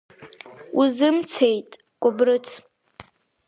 Узымцеит, Кәыбрыц!